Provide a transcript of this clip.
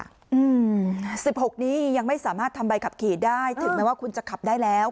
อืมสิบหกนี้ยังไม่สามารถทำใบขับขี่ได้ถึงแม้ว่าคุณจะขับได้แล้ว